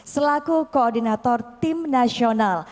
selaku koordinator tim nasional